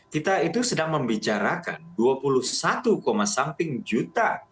kita itu sedang membicarakan dua puluh satu something juta